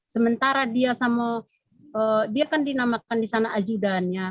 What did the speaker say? sementara dia sama dia kan dinamakan di sana ajudannya